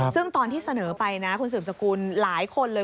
ซึ่งตอนที่เสนอไปนะคุณสืบสกุลหลายคนเลย